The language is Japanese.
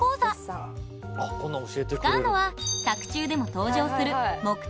使うのは作中でも登場する。